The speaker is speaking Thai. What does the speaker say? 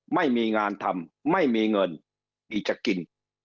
ไม่มีงานทำไม่มีเงินอีกจะกิน